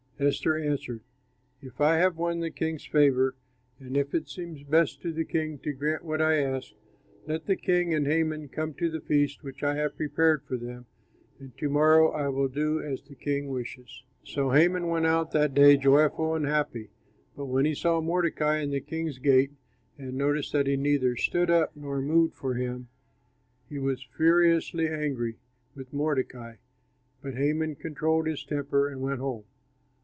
Esther answered, "If I have won the king's favor and if it seems best to the king to grant what I ask, let the king and Haman come to the feast which I shall prepare for them; and to morrow I will do as the king wishes." So Haman went out that day joyful and happy, but when he saw Mordecai in the king's gate and noticed that he neither stood up nor moved for him, he was furiously angry with Mordecai. But Haman controlled his temper and went home.